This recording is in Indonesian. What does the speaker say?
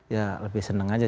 ya lebih senang aja